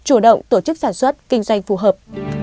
xem xét cho doanh nghiệp chủ động tổ chức sản xuất kinh doanh phù hợp